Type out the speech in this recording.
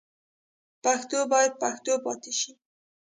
پښتو باید پښتو پاتې شي.